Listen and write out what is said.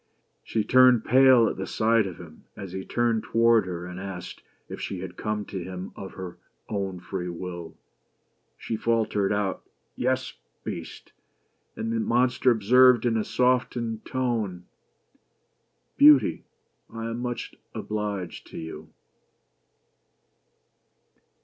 She turned pale at the sight of him as he turned toward her and asked, " If she had come* to him of her own free will." She faltered out — "Yes, Beast," and the monster observed in a softened tone —" Beauty, I am much obliged to you."